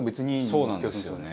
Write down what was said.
そうなんですよね。